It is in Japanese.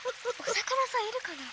おさかなさんいるかな？